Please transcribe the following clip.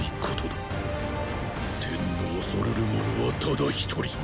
天の恐るるものはただ一人！